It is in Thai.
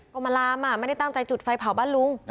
ก็มาลามไม่ได้ตั้งใจจุดไฟเผาบ้านลุง